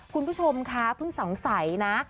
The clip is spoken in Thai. คุณผู้ชมคะเพิ่งสงสัยนะ